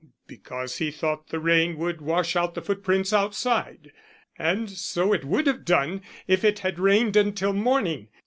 "Because he thought the rain would wash out the footprints outside. And so it would have done if it had rained until morning.